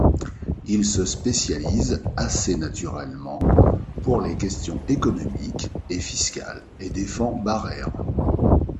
Il se spécialise assez naturellement pour les questions économiques et fiscales et défend Barère.